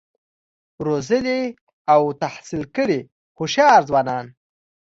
روزلي او تحصیل کړي هوښیار ځوانان